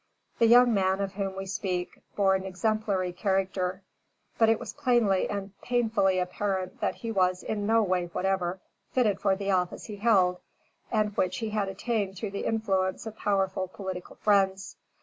The young man of whom we speak, bore an exemplary character, but it was plainly and painfully apparent, that he was, in no way whatever, fitted for the office he held, and which he had attained through the influence of powerful political friends.